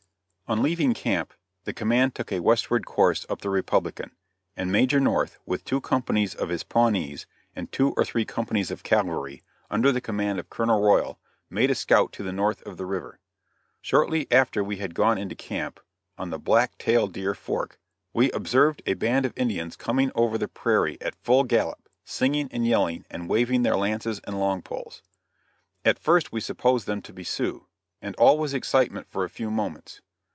On leaving camp, the command took a westward course up the Republican, and Major North with two companies of his Pawnees and two or three companies of cavalry, under the command of Colonel Royal, made a scout to the north of the river. Shortly after we had gone into camp, on the Black Tail Deer Fork, we observed a band of Indians coming over the prairie at full gallop, singing and yelling and waving their lances and long poles. At first we supposed them to be Sioux, and all was excitement for a few moments.